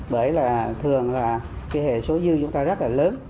bởi là thường là cái hệ số dư chúng ta rất là lớn